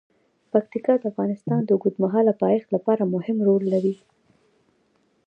پکتیکا د افغانستان د اوږدمهاله پایښت لپاره مهم رول لري.